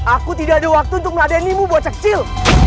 aku tidak ada waktu untuk meladainimu bocah kecil